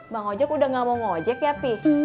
bang ojak udah gak mau ngojek ya pi